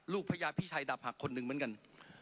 ลูกพระยาพิชัยดาบหักคนหนึ่งเหมือนกัน